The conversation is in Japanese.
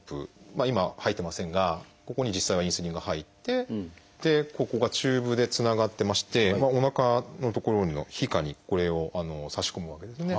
今入ってませんがここに実際はインスリンが入ってここがチューブでつながってましておなかの所の皮下にこれを差し込むわけですね。